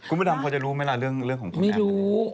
กุฎดำพ่อจะรู้ไหมล่ะเรื่องของพี่แอม